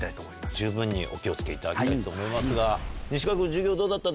十分にお気を付けいただきたいと思いますが。